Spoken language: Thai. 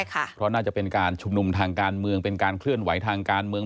เพราะน่าจะเป็นการชุมนุมทางการเมืองเป็นการเคลื่อนไหวทางการเมือง